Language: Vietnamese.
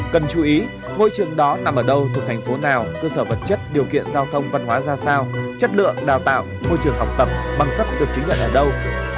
cần chú ý ngôi trường đó nằm ở đâu thuộc thành phố nào cơ sở vật chất điều kiện giao thông văn hóa ra sao chất lượng đào tạo môi trường học tập bằng cấp được chứng nhận ở đâu